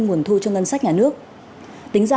nguồn thu cho ngân sách nhà nước tính ra